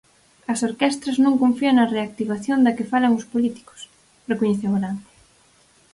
"As orquestras non confían na reactivación da que falan os políticos", recoñeceu Grande.